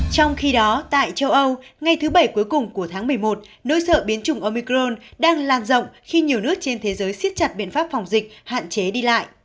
trong khi đó tại châu âu ngay thứ bảy cuối cùng của tháng một mươi một nỗi sợ biến chủng omicron đang lan rộng khi nhiều nước trên thế giới xiết chặt biện pháp phòng dịch hạn chế đi lại